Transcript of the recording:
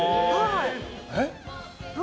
えっ？